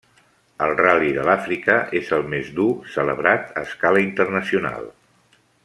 El ral·li de l'Àfrica és el més dur celebrat a escala internacional.